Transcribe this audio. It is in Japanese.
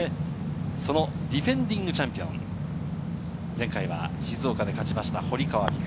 ディフェンディングチャンピオン、前回は静岡で勝ちました、堀川未来